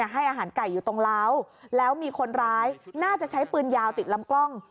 ให้อาหารไก่อยู่ตรงล้าวแล้วมีคนร้ายน่าจะใช้ปืนยาวติดลำกล้อง